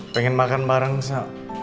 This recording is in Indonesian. pengen makan bareng so